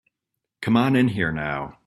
Come on in here now.